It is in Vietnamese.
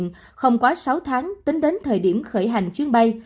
không quá sáu tháng tính đến thời điểm khởi hành chuyến bay